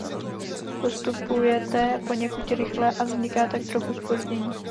Postupujete poněkud rychle a vzniká tak trochu zpoždění.